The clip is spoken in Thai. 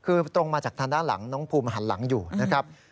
คือตรงมาจากทางด้านหลังน้องภูมิหันหลังอยู่นะครับ